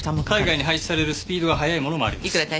体外に排出されるスピードが速いものもあります。